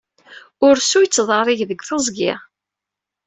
Ursu yettḍerrig deg teẓgi?